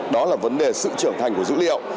đó là vấn đề sự trưởng thành của dữ liệu